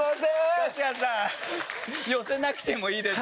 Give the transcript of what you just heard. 春日さん寄せなくてもいいです。